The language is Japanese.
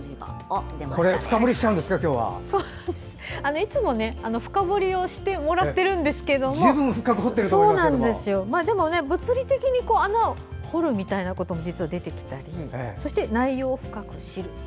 いつも深掘りをしてもらっているんですがでも、物理的に穴を掘るみたいなことも実は、出てきたりそして内容を深く知ると。